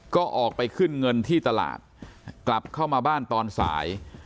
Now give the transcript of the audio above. ก็ออกไปขึ้นเงินที่ตลาดกลับเข้ามาบ้านตอนสาย